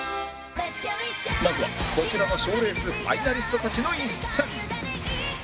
まずはこちらの賞レースファイナリストたちの一戦